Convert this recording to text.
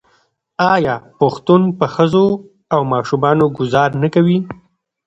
آیا پښتون په ښځو او ماشومانو ګذار نه کوي؟